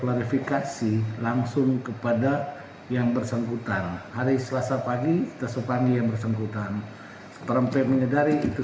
langsung kepada yang bersengkutan hari selasa pagi tersopan yang bersengkutan perempuan menyadari itu